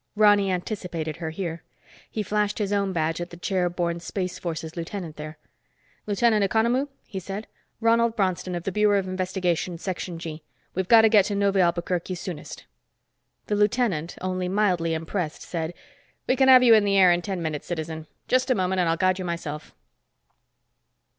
Ronny anticipated her here. He flashed his own badge at the chair borne Space Forces lieutenant there. "Lieutenant Economou?" he said. "Ronald Bronston, of the Bureau of Investigation, Section G. We've got to get to Neuve Albuquerque soonest." The lieutenant, only mildly impressed, said, "We can have you in the air in ten minutes, citizen. Just a moment and I'll guide you myself."